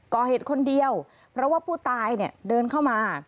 ก่อเหตุคนเดียวเพราะว่าผู้ตายเนี่ยเดินเข้ามา